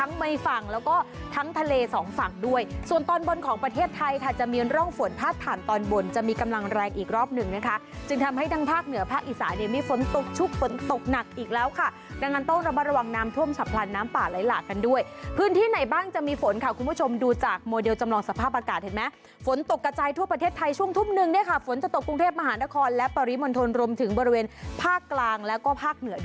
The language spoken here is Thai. น้ำป่าไล่หลากกันด้วยพื้นที่ไหนบ้างจะมีฝนค่ะคุณผู้ชมดูจากโมเดลจำลองสภาพอากาศเห็นไหมฝนตกกระใจทั่วประเทศไทยช่วงทุบนึงเนี้ยค่ะฝนจะตกกรุงเทพมหานครและปริมนทนรมถึงบริเวณภาคกลางแล้วก็ภาคเหนื